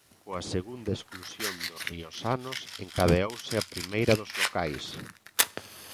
Coa segunda exclusión dos rioxanos encadeouse a primeira dos locais.